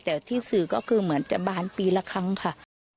แต่ที่สื่อก็คือเหมือนจะบานปีละครั้งค่ะ